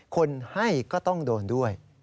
คนให้ก็ต้องโดนด้วย